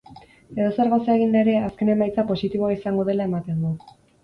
Edozer gauza eginda ere azken emaitza positiboa izango dela ematen du.